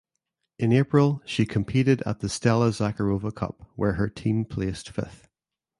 In April she competed at the Stella Zakharova Cup where her team placed fifth.